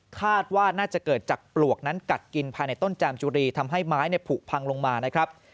คาดว่าน่าจะเกิดจากปลวกนั้นกัดกินภายในต้นจามจุรีทำให้ไม้ผูกพังลงมานะครับ